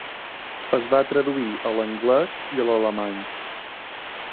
Es va traduir a l"anglès i a l"alemany.